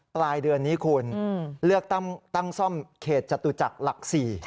ปลายเดือนนี้คุณเลือกตั้งตั้งซ่อมเขตจตุจักรหลัก๔